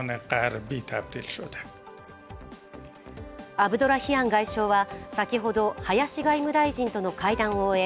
アブドラヒアン外相は先ほど林外務大臣との会談を終え